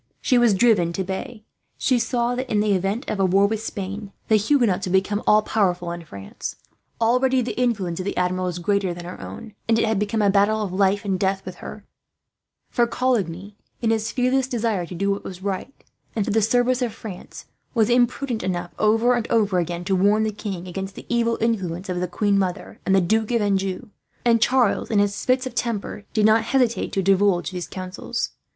She was driven to bay. She saw that, in the event of a war with Spain, the Huguenots would become all powerful in France. Already the influence of the Admiral was greater than her own, and it had become a battle of life and death with her; for Coligny, in his fearless desire to do what was right, and for the service of France, was imprudent enough over and over again to warn the king against the evil influence of the queen mother and the Duke d'Anjou; and Charles, in his fits of temper, did not hesitate to divulge these counsels.